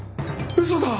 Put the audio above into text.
嘘だ！